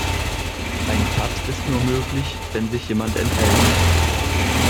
Ein Patt ist nur möglich, wenn sich jemand enthält.